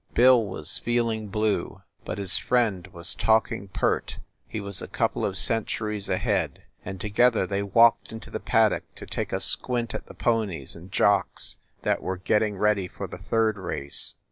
Bill was feeling blue, but his friend was talking pert. He was a couple of centuries ahead, and together they walked into the paddock to take a squint at the ponies and jocks that were getting ready for the third race.